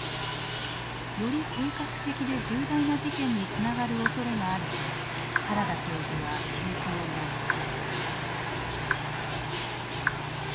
より計画的で重大な事件につながるおそれがあると原田教授は警鐘を鳴らす。